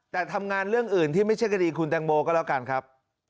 แต่ทำงานเรื่องอื่นที่ไม่ใช่คดีคุณแตงโมก็แล้วกันครับ